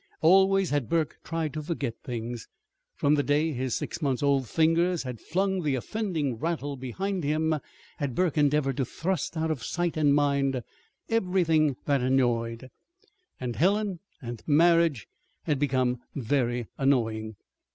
Always had Burke tried to forget things. From the day his six months old fingers had flung the offending rattle behind him had Burke endeavored to thrust out of sight and mind everything that annoyed and Helen and marriage had become very annoying.